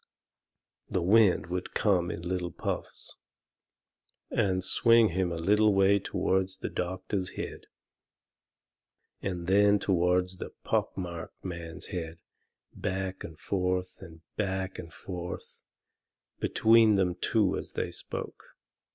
The wind would come in little puffs, and swing him a little way toward the doctor's head, and then toward the pock marked man's head, back and forth and back and forth, between them two as they spoke.